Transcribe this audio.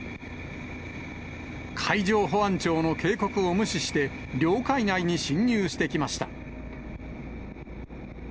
海上保安庁の警告を無視して、領海内に侵入してきました。